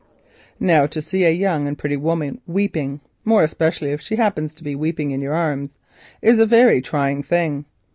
Now to see a young and pretty woman weeping (more especially if she happens to be weeping on your shoulder) is a very trying thing.